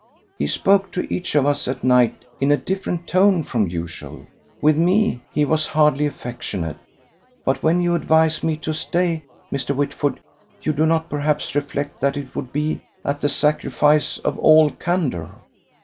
He spoke to each of us at night in a different tone from usual. With me he was hardly affectionate. But when you advise me to stay, Mr. Whitford, you do not perhaps reflect that it would be at the sacrifice of all candour."